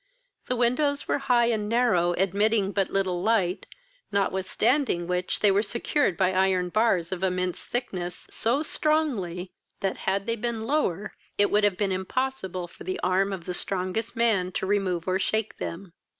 The windows were high and narrow, admitting but little light, notwithstanding which they were secured by iron bars of immense thickness, so strongly, that, had they been lower, it would have been impossible for the arm of the strongest man to remove or shake them.